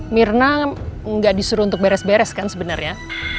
mirna gak disuruh untuk beres beres kan sebenernya